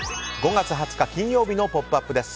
５月２０日、金曜日の「ポップＵＰ！」です。